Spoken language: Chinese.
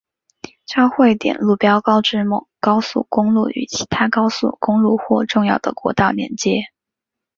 交汇点路标告知某高速公路与其他高速公路或重要国道的连接。